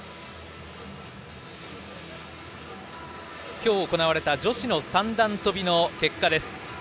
今日行われた女子の三段跳びの結果です。